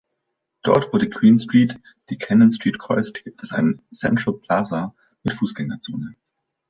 Dort, wo die Queen Street die Cannon Street kreuzt, gibt es einen „Central Plaza“ mit Fußgängerzone.